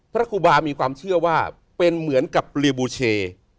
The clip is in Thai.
พระครูบามีความเชื่อว่าเป็นเหมือนกับเรียบูเช